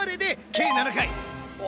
計７回！